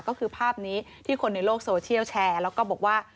ก็คือภาพนี้ที่คนในโลกโซเชียลแชร์แล้วก็บอกว่า